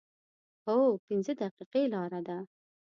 هو، پنځه دقیقې لاره ده